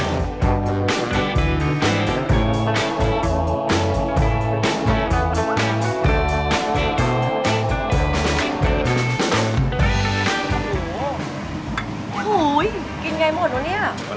ขอบคุณครับ